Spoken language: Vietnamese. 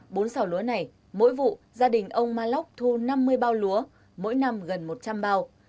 bốn xào lúa này mỗi vụ gia đình ông ma lóc thu năm mươi bao lúa mỗi năm gần một trăm linh bao